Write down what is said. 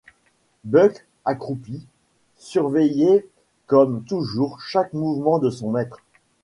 Buck, accroupi, surveillait comme toujours chaque mouvement de son maître.